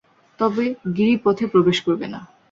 তবে গিরিপথে প্রবেশ করবে না।